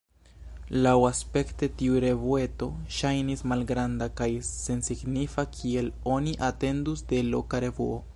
Laŭaspekte tiu revueto ŝajnis malgranda kaj sensignifa, kiel oni atendus de loka revuo.